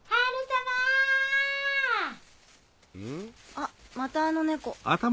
あっまたあの猫。